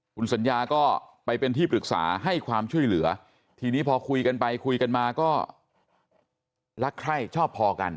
คุณสัญญาก็ไปเป็นที่ปรึกษาให้ความช่วยเหลือทีนี้พอคุยกันไปคุยกันมาก็รักใคร่ชอบพอกัน